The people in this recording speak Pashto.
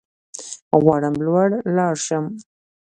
غواړم لوړ لاړ شم